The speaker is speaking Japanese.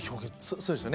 そうですよね。